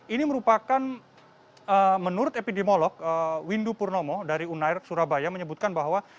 ini merupakan menurut epidemiolog windu purnomo dari unair surabaya menyebutkan bahwa